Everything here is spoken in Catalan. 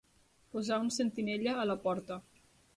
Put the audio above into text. Posar un sentinella a la porta.